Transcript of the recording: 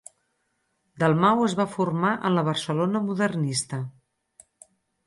Dalmau es va formar en la Barcelona modernista.